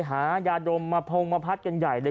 หายาดมมาพงมาพัดกันใหญ่เลย